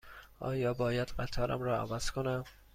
آیا باید قطارم را عوض کنم؟